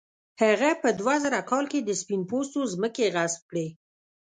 هغه په دوه زره کال کې د سپین پوستو ځمکې غصب کړې.